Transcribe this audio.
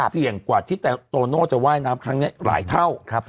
เสี่ยงกว่าที่แต่โตโน่จะว่ายน้ำครั้งนี้หลายเท่า